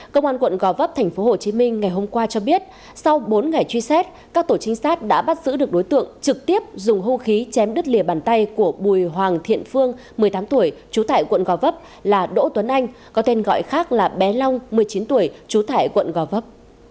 công an quận gò vấp tp hcm ngày hôm qua cho biết sau bốn ngày truy xét các tổ trinh sát đã bắt giữ được đối tượng trực tiếp dùng hung khí chém đứt lìa bàn tay của bùi hoàng thiện phương một mươi tám tuổi trú tại quận gò vấp là đỗ tuấn anh có tên gọi khác là bé long một mươi chín tuổi trú tại quận gò vấp